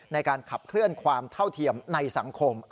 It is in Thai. ในการขับเคลื่อนความเท่าเทียมในสังคม